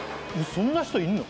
そんな人いるの？